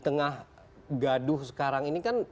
tengah gaduh sekarang ini kan